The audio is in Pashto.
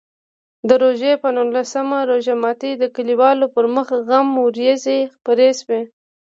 د روژې په نولسم روژه ماتي د کلیوالو پر مخ غم وریځې خپرې شوې.